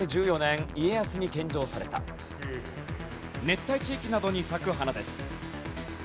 熱帯地域などに咲く花です。